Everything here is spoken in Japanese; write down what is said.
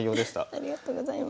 ありがとうございます。